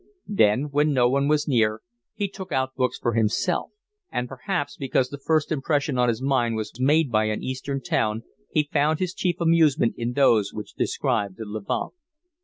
Then, when no one was near, he took out books for himself; and perhaps because the first impression on his mind was made by an Eastern town, he found his chief amusement in those which described the Levant.